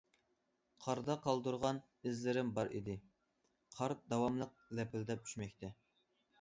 قاردا قالدۇرغان ئىزلىرىم بار ئىدى، قار داۋاملىق لەپىلدەپ چۈشمەكتە.